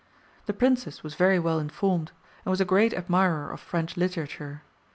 The Princess was very well informed, and was a great admirer of French literature.